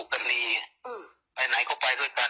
ไปไหนก็ไปด้วยกัน